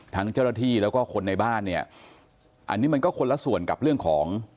ทั้งเจ้าหน้าที่แล้วก็คนในบ้านเนี่ยอันนี้มันก็คนละส่วนกับเรื่องของ